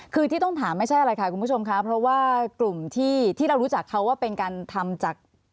คือที่ต้องถามไม่ใช่อะไรค่ะคุณผู้ชมค่ะเพราะว่ากลุ่มที่เรารู้จักเขาว่าเป็นการทำจาก